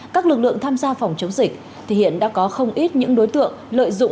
các lực lượng tham gia phòng chống dịch thì hiện đã có không ít những đối tượng lợi dụng